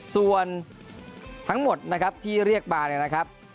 ส่วนทั้งหมดนะครับที่เรียกมาเนี่ยนะครับ